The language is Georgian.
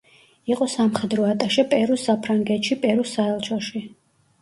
იყო სამხედრო ატაშე პერუს საფრანგეთში პერუს საელჩოში.